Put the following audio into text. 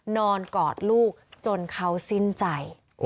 กอดลูกจนเขาสิ้นใจ